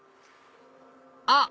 あっ！